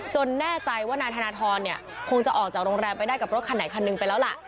แน่ใจว่านายธนทรเนี่ยคงจะออกจากโรงแรมไปได้กับรถคันไหนคันหนึ่งไปแล้วล่ะ